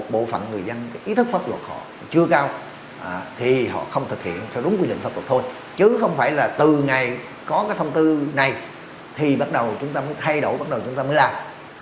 bộ phận người dân ý thức pháp luật họ chưa cao thì họ không thực hiện theo đúng quy định pháp luật thôi chứ không phải là từ ngày có cái thông tư này thì bắt đầu chúng ta mới thay đổi bắt đầu chúng ta mới làm